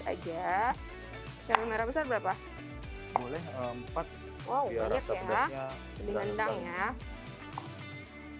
aja cabai merah besar berapa boleh empat banyak ya banyak ya dengan banyak banyak banyak banyak banyak